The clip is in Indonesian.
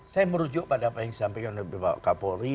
saya merujuk pada apa yang saya ingin berbicara pak polri